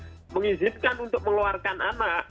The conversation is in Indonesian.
tapi diizinkan untuk mengeluarkan anak